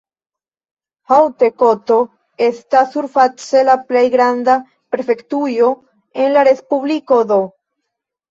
Haute-Kotto estas surface la plej granda prefektujo en la respubliko do.